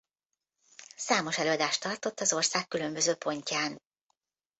Számos előadást tartott az ország különböző pontján.